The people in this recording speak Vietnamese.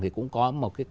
thì cũng có một cái